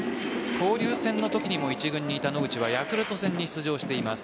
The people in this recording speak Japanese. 交流戦のときにも一軍にいた野口はヤクルト戦に出場しています。